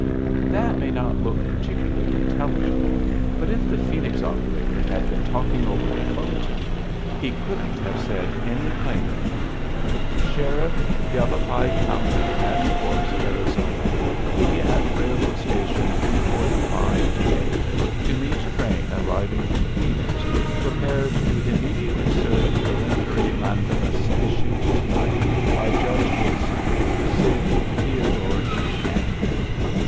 That may not look particularly intelligible, but if the Phoenix operator had been talking over the 'phone to me he couldn't have said any plainer, "Sheriff yavapai county ash forks arizona be at railroad station three forty five today to meet train arriving from phoenix prepared to immediately serve peremptory mandamus issued tonight by judge wilson sig theodore e camp."